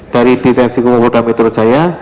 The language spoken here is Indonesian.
dari direksi keputusan metro jaya